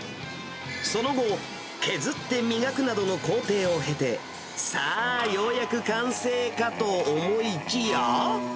その後、削って磨くなどの工程を経て、さあ、ようやく完成かと思いきや？